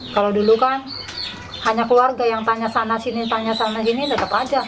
kalau dulu kan hanya keluarga yang tanya sana sini tanya sana sini tetap aja